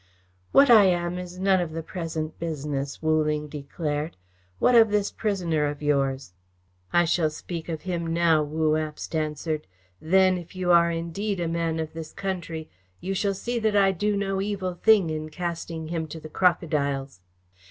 "What I am is none of the present business," Wu Ling declared. "What of this prisoner of yours?" "I shall speak of him now," Wu Abst answered. "Then, if you are indeed a man of this country, you shall see that I do no evil thing in casting him to the crocodiles.